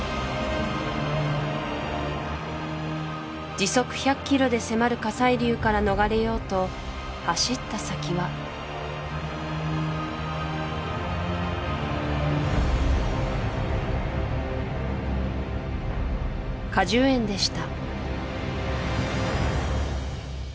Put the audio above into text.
時速１００キロで迫る火砕流から逃れようと走った先は果樹園でした